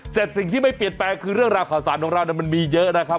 แต่สิ่งที่ไม่เปลี่ยนแปลงคือเรื่องราวข่าวสารของเรามันมีเยอะนะครับ